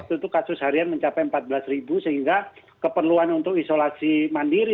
waktu itu kasus harian mencapai empat belas sehingga keperluan untuk isolasi mandiri